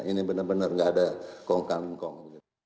ini benar benar tidak ada kong kong